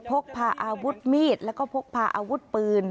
พกพาอาวุธมีดแล้วก็พกพาอาวุธปืน